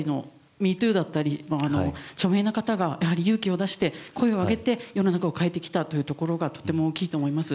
ＭｅＴｏｏだったり、著名な方が勇気を出して声を上げて世の中を変えてきたところがとても大きいと思います。